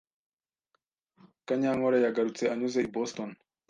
Kanyankore yagarutse anyuze i Boston.